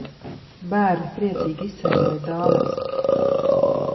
Bērni priecīgi izsaiņoja dāvanas.